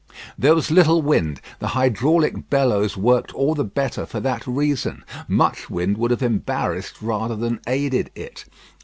There was little wind. The hydraulic bellows worked all the better for that reason. Much wind would have embarrassed rather than aided it.